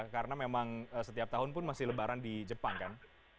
karena memang setiap tahun pun masih lebaran di jepang kan